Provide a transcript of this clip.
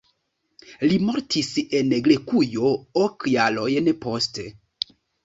Li mortis en Grekujo ok jarojn poste.